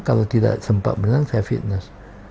kalau tidak sempat menang saya fitness